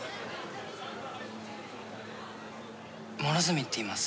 両角って言います。